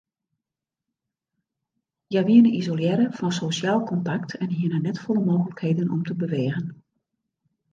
Hja wiene isolearre fan sosjaal kontakt en hiene net folle mooglikheden om te bewegen.